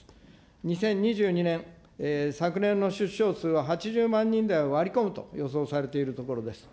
２０２２年・昨年の出生数は８０万人台を割り込むと予想されているところです。